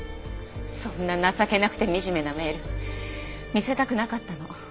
そんな情けなくてみじめなメール見せたくなかったの。